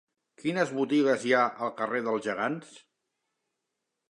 Quines botigues hi ha al carrer dels Gegants?